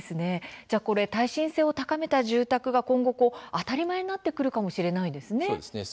耐震性を高めた住宅が今後当たり前になってくるかもしれないですね。